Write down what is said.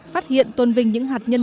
phát hiện tôn vinh những hạt nhân